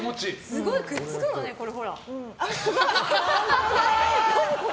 すごいくっつくのね、これ。